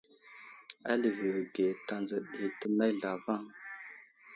A liviyo age tanzo ɗi tənay zlavaŋ.